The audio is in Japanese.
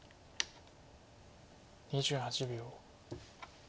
２８秒。